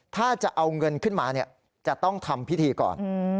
ถ้าจะเอาเงินขึ้นมาจะต้องทำพิธีก่อน